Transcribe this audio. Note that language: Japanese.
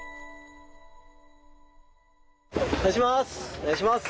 お願いします！